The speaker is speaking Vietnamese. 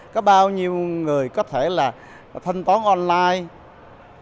có bao nhiêu người có thể là thanh toán online